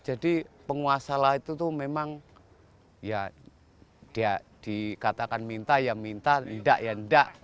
jadi penguasa lah itu memang ya dikatakan minta ya minta tidak ya tidak